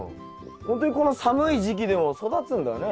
ほんとにこの寒い時期でも育つんだね。